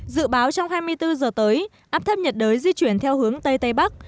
dự báo trong hai mươi bốn giờ tới áp thấp nhiệt đới di chuyển theo hướng tây tây bắc